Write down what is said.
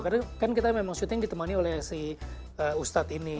karena kan kita memang syuting ditemani oleh si ustadz ini